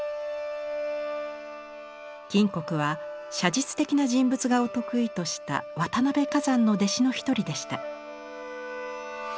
谷は写実的な人物画を得意とした渡辺崋山の弟子の一人でした。